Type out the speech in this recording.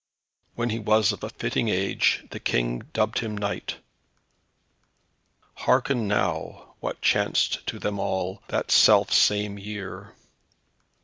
When he was of a fitting age the King dubbed him knight. Hearken now, what chanced to them all, that self same year.